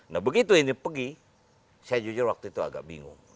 nah begitu ini pergi saya jujur waktu itu agak bingung